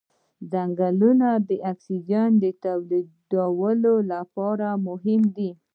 ځنګلونه د اکسیجن تولیدولو لپاره مهم دي